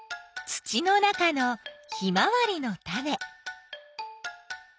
土の中のヒマワリのタネ。